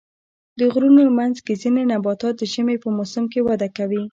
د غرونو منځ کې ځینې نباتات د ژمي په موسم کې وده کوي.